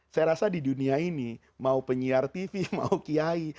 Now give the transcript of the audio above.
saya rasa di dunia ini mau penyiar tv mau kiai